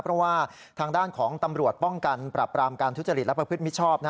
เพราะว่าทางด้านของตำรวจป้องกันปรับปรามการทุจริตและประพฤติมิชชอบ